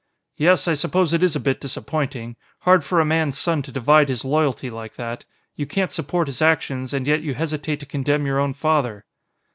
"Yes, I suppose it is a bit disappointing. Hard for a man's son to divide his loyalty like that. You can't support his actions, and yet you hesitate to condemn your own father."